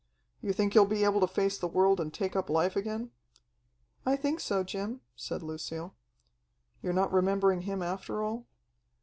"You think you're able to face the world and take up life again?" "I think so, Jim," said Lucille. "You're not remembering him after all?"